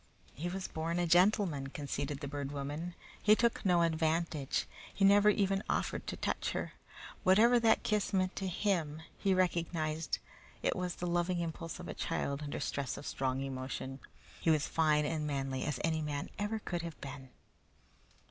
"He was born a gentleman," conceded the Bird Woman. "He took no advantage. He never even offered to touch her. Whatever that kiss meant to him, he recognized that it was the loving impulse of a child under stress of strong emotion. He was fine and manly as any man ever could have been."